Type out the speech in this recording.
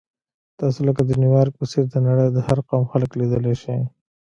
تاسو لکه د نیویارک په څېر د نړۍ د هر قوم خلک لیدلی شئ.